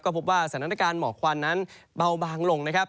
พบว่าสถานการณ์หมอกควันนั้นเบาบางลงนะครับ